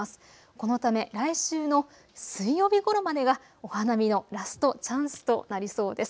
このため来週の水曜日ごろまでがお花見のラストチャンスとなりそうです。